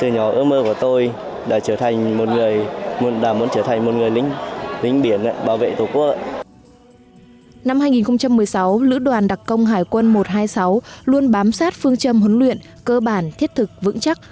năm hai nghìn một mươi sáu lữ đoàn đặc công hải quân một trăm hai mươi sáu luôn bám sát phương châm huấn luyện cơ bản thiết thực vững chắc